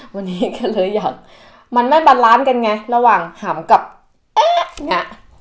วันนี้ก็เลยอยากมันไม่บาลานซ์กันไงระหว่างหำกับเอ๊ะเนี่ย